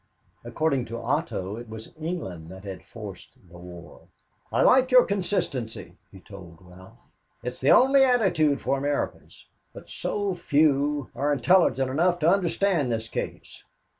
According to Otto, it was England that had forced the war. "I like your consistency," he told Ralph. "It is the only attitude for Americans, but so few are intelligent enough to understand this case.